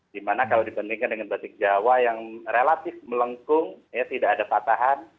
dimana kalau dibandingkan dengan batik jawa yang relatif melengkung tidak ada patahan